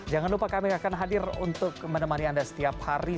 jangan lupa kami akan hadir untuk menemani anda setiap hari